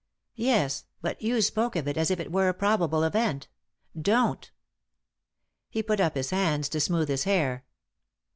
"" Yes ; but you spoke of it as if it were a probable event — don't." He put up his hands to smooth his hair.